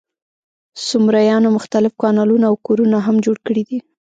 سومریانو مختلف کانالونه او کورونه هم جوړ کړي وو.